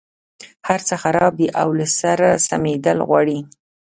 هرڅه خراب دي او له سره سمېدل غواړي.